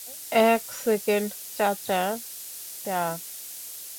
এক সেকেন্ড, চাচা, চা।